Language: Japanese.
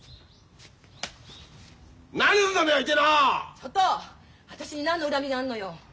ちょっと私に何の恨みがあんのよ！